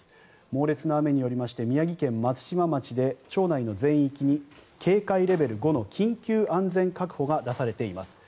猛烈な雨によりまして宮城県松島町で町内の全域に警戒レベル５の緊急安全確保が出されています。